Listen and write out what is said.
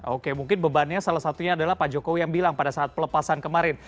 oke mungkin bebannya salah satunya adalah pak jokowi yang bilang pada saat pelepasan kemarin